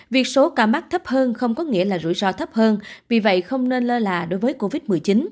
việc số ca mắc thấp hơn không có nghĩa là rủi ro thấp hơn vì vậy không nên lơ là đối với covid một mươi chín